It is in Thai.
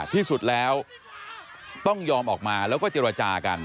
ที่สุดแล้วต้องยอมออกมาแล้วก็เจรจากัน